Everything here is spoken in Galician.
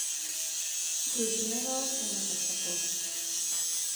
Golpeábao cunha cachaporra.